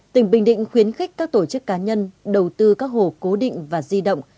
tỉnh bình định khuyến khích các tổ chức cá nhân đầu tư các hồ cố định và di động